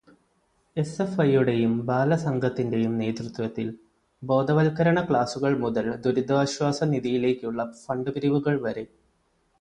എസ്.എഫ്.ഐയുടെയും ബാലസംഘത്തിന്റെയും നേതൃത്വത്തിൽ ബോധവത്കരണ ക്ലാസ്സുകൾ മുതൽ ദുരിതാശ്വാസനിധിയിലേക്കുള്ള ഫണ്ടു പിരിവുകൾ വരെ നടത്തപ്പെട്ടു.